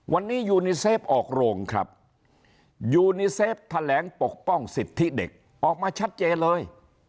วันนี้ยูนีเซฟออกโรงครับยูนีเซฟแถลงปกป้องสิทธิเด็กออกมาชัดเจนเลย